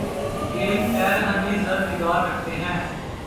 یہ ایک پیر ہنِ زر نگار رکھتے ہیں